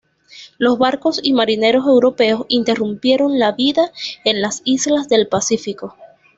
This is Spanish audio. Los barcos y marineros europeos interrumpieron la vida en las islas del Pacífico.